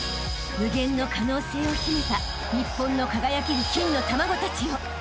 ［無限の可能性を秘めた日本の輝ける金の卵たちよ］